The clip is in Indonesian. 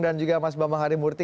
dan juga mas bambang harimurti